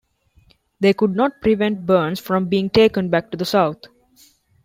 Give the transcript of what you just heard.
They could not prevent Burns from being taken back to the South.